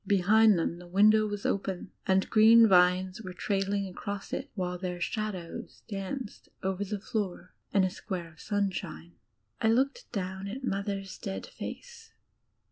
Behind them the window was open, and green vines were trailing across it, while their shadows danced over the floor in a square of sunshine. I looked down at Mother's dead face.